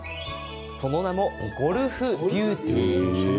その名もゴルフ・ビューティー。